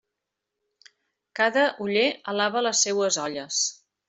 Cada oller alaba les seues olles.